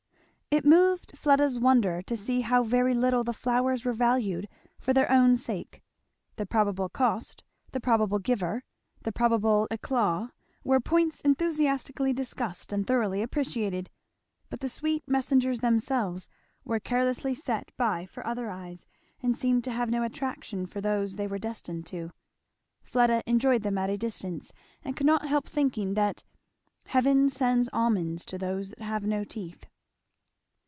It moved Fleda's wonder to see how very little the flowers were valued for their own sake; the probable cost, the probable giver, the probable éclat, were points enthusiastically discussed and thoroughly appreciated; but the sweet messengers themselves were carelessly set by for other eyes and seemed to have no attraction for those they were destined to. Fleda enjoyed them at a distance and could not help thinking that "Heaven sends almonds to those that have no teeth."